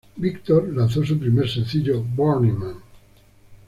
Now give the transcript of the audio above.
Victor lanzó su primer sencillo "Burning Man".